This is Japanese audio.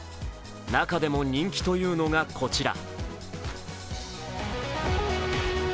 中でも人気というのが、こちら。